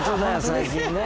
最近ね。